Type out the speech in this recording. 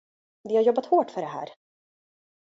Vi har jobbat hårt för det här.